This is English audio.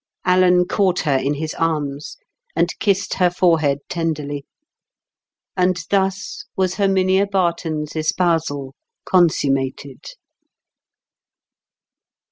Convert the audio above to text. Alan caught her in his arms and kissed her forehead tenderly. And thus was Herminia Barton's espousal consummated.